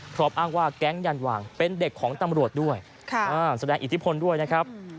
พร้อมอ้างว่าแก๊งยันวางเป็นเด็กของตำรวจด้วยแสดงอิทธิพลด้วยนะครับ